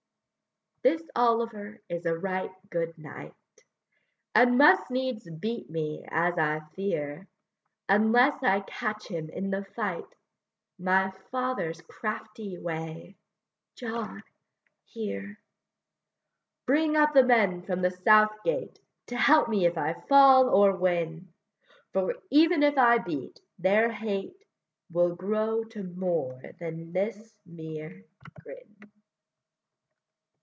This Oliver is a right good knight, And must needs beat me, as I fear, Unless I catch him in the fight, My father's crafty way: John, here! Bring up the men from the south gate, To help me if I fall or win, For even if I beat, their hate Will grow to more than this mere grin.